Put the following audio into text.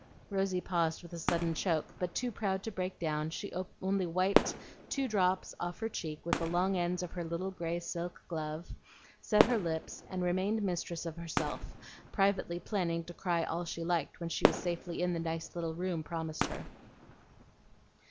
Rosy paused with a sudden choke; but too proud to break down, she only wiped two drops off her cheek with the long ends of her little gray silk glove, set her lips, and remained mistress of herself, privately planning to cry all she liked when she was safely in the "nice little room" promised her.